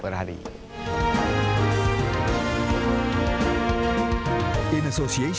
kecuali tindako infinite semuanya kita airports